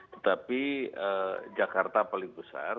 tetapi jakarta paling besar